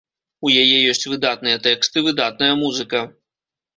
У яе ёсць выдатныя тэксты, выдатная музыка.